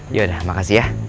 yaudah makasih ya